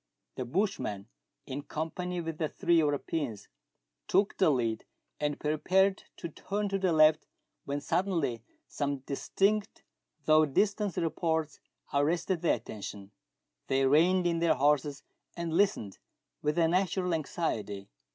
The bushman, in company with the three Europeans, took the lead, and prepared to turn to the left, when suddenly some distinct, though distant reports, arrested their atten tion. They reined in their horses, and Hstened with a natural anxiety.